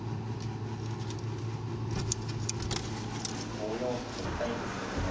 ５四歩取りたいんですけどね。